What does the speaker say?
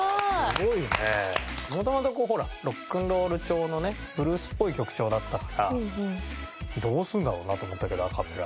もともとこうほらロックンロール調のねブルースっぽい曲調だったからどうするんだろうなと思ったけどアカペラ。